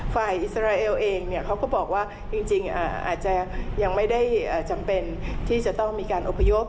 อิสราเอลเองเขาก็บอกว่าจริงอาจจะยังไม่ได้จำเป็นที่จะต้องมีการอพยพ